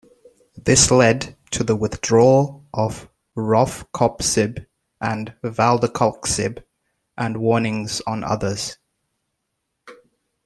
This led to the withdrawal of rofecoxib and valdecoxib, and warnings on others.